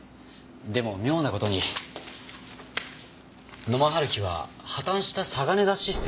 でも妙な事に野間春樹は破綻したサガネダ・システムの会員でした。